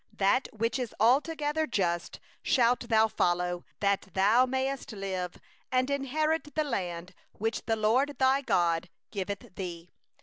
20Justice, justice shalt thou follow, that thou mayest live, and inherit the land which the LORD thy God giveth thee.